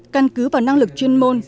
căn cứ vào năng lực chuyên môn